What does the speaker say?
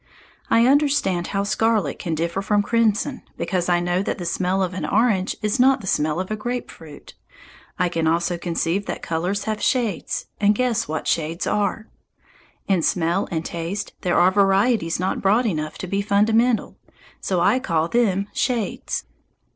I understand how scarlet can differ from crimson because I know that the smell of an orange is not the smell of a grape fruit. I can also conceive that colours have shades, and guess what shades are. In smell and taste there are varieties not broad enough to be fundamental; so I call them shades.